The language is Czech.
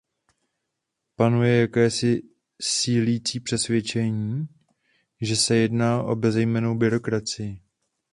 Panuje jakési sílící přesvědčení, že se jedná o bezejmennou byrokracii.